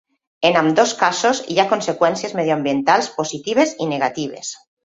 En ambdós casos, hi ha conseqüències mediambientals positives i negatives.